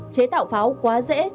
chế tạo pháo quá dễ